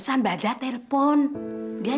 ya bayang terima kasih